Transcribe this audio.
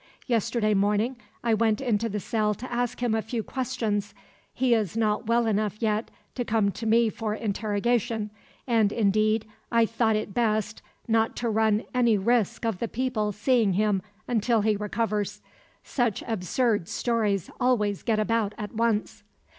Yesterday morning I went into the cell to ask him a few questions; he is not well enough yet to come to me for interrogation and indeed, I thought it best not to run any risk of the people seeing him until he recovers. Such absurd stories always get about at once."